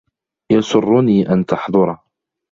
يَسُرُّنِي أَنْ تَحْضُرَ.